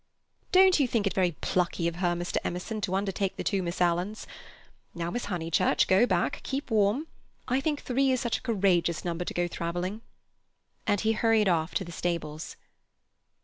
"Don't you think it very plucky of her, Mr. Emerson, to undertake the two Miss Alans? Now, Miss Honeychurch, go back—keep warm. I think three is such a courageous number to go travelling." And he hurried off to the stables.